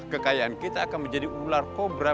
kekayaan kita akan menjadi ular kobra